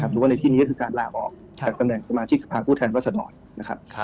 หรือว่าในที่นี้ก็คือการลาออกจากตำแหน่งสมาชิกสภาพผู้แทนรัศดรนะครับ